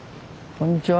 こんにちは。